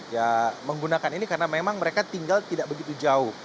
ya menggunakan ini karena memang mereka tinggal tidak begitu jauh